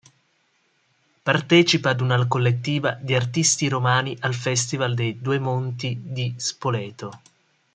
Partecipa ad una collettiva di artisti romani al Festival dei Due Mondi di Spoleto.